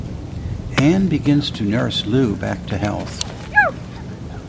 Anne begins to nurse Lou back to health.